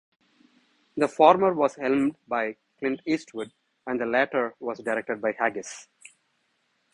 The former was helmed by Clint Eastwood, and the latter was directed by Haggis.